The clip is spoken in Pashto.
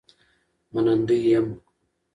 منندوی یم